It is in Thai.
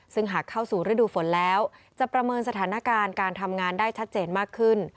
ซึ่งหากเข้าสู่ฤดูฝนแล้วจะประเมินสถานการณ์การทำงานได้ชัดเจนมากขึ้น